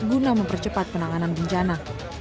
guna mempercepat penanganan bencana